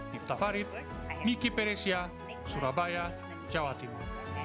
miftah farid miki peresia surabaya jawa timur